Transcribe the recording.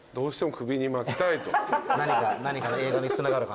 何かの映画につながるかな？